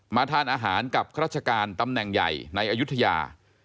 ทานอาหารกับราชการตำแหน่งใหญ่ในอายุทยา